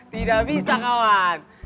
tidak bisa kawan